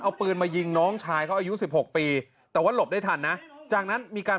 เอาปืนมายิงน้องชายเขาอายุสิบหกปีแต่ว่าหลบได้ทันนะจากนั้นมีการ